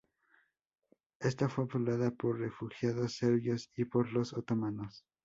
Ésta fue poblada por refugiados serbios y por los otomanos.